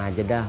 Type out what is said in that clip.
apaan aja dah